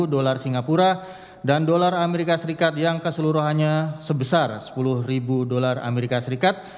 dolar singapura dan dolar amerika serikat yang keseluruhannya sebesar rp sepuluh